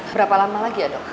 berapa lama lagi ya dok